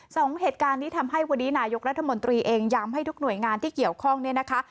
สองเหตุการณ์ที่ทำให้วันนี้นายกรัฐมนตรีเองย้ำให้ทุกหน่วยงานที่เกี่ยวข้องเนี่ยนะคะ